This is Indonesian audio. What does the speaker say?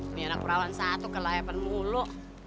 ini anak perawan satu kelayapan mulu